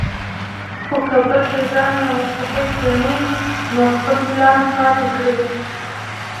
خو کۀ بل د ځان نه مستحق ګڼي نو خپل پلان پاتې کړي ـ